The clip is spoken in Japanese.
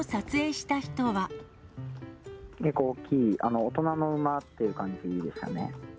結構大きい、大人の馬っていう感じでしたね。